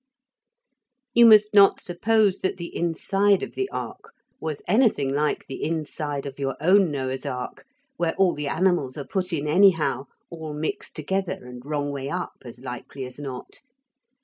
You must not suppose that the inside of the ark was anything like the inside of your own Noah's ark, where all the animals are put in anyhow, all mixed together and wrong way up as likely as not.